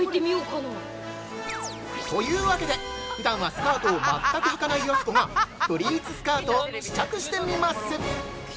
◆というわけで、ふだんはスカートを全くはかないやす子が、プリーツスカートを試着してみます。